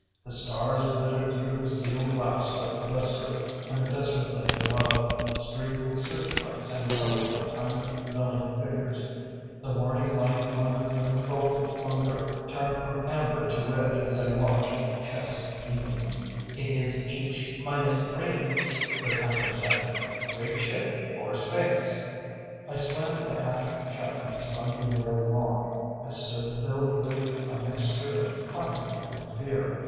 The stars glittered through the steelglass of the blister, and the desert lay below, streaked with searchlights and covered with tiny milling figures. The warning light on the control bunker turned from amber to red as I watched, chest heaving. "It is H minus three," the timer said. "Rig ship for space." I slammed the hatch shut and spun the wheel lock. I stood filled with a mixture of triumph and fear.